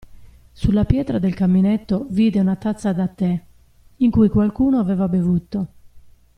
Sulla pietra del caminetto vide una tazza da tè, in cui qualcuno aveva bevuto.